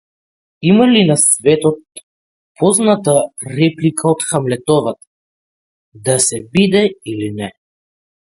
Има ли на светот попозната реплика од Хамлетовата: да се биде или не?